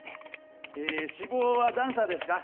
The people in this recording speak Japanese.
え志望はダンサーですか？